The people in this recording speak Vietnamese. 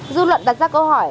dư luận đặt ra câu hỏi